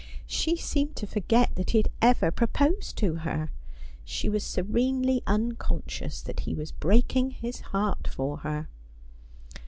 She seemed to forget that he had ever proposed to her. She was serenely unconscious that he was breaking his heart for her.